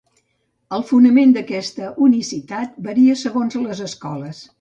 El fonament d'aquesta unicitat varia segons les escoles.